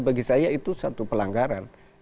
bagi saya itu satu pelanggaran